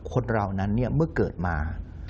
คนเรานั้นเมื่อเกิดมา